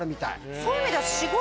そういう意味では。